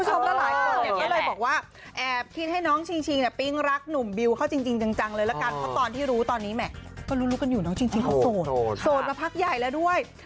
ร้ายบอกว่าคิดให้น้องชิงชิงพิ้งรักหนุ่มบิวเขาจริงจังเลย